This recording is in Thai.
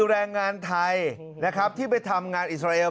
แรงงานไทยนะครับที่ไปทำงานอิสราเอล